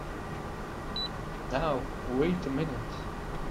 Now wait a minute!